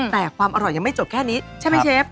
แต่ความอร่อยยังไม่จบแค่นี้ใช่ไหมเชฟ